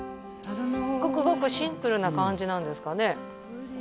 ごくごくシンプルな感じなんですかね？